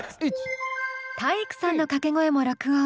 体育さんの掛け声も録音。